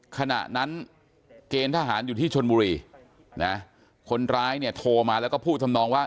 ขณะนั้นเกณฑ์ทหารอยู่ที่ชนบุรีนะคนร้ายเนี่ยโทรมาแล้วก็พูดทำนองว่า